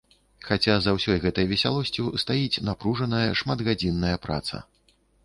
Хаця за ўсёй гэтай весялосцю стаіць напружаная, шматгадзінная праца.